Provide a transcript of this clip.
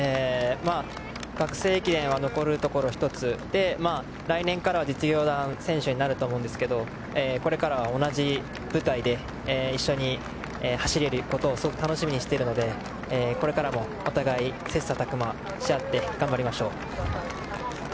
学生駅伝は残るところ１つで来年からは実業団選手になると思いますがこれからは同じ舞台で一緒に走れることをすごく楽しみにしているのでこれからもお互い切磋琢磨し合って頑張ります。